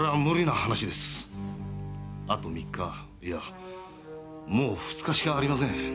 あと三日いやもう二日しかありません。